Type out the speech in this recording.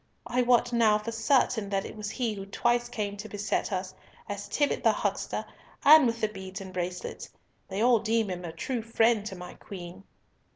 I wot now for certain that it was he who twice came to beset us, as Tibbott the huckster, and with the beads and bracelets! They all deem him a true friend to my Queen."